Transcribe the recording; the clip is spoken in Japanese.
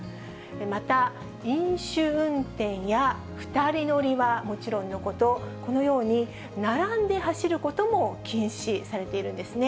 また、飲酒運転や２人乗りはもちろんのこと、このように並んで走ることも禁止されているんですね。